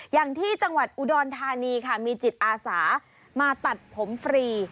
อย่างที่จังหวัดอุดรธานีค่ะมีจิตอาสามาตัดผมฟรี